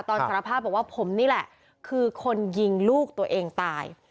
สารภาพบอกว่าผมนี่แหละคือคนยิงลูกตัวเองตาย